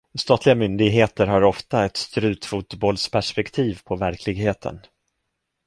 Statliga myndigheter har ofta ett strutfotbollsperspektiv på verkligheten.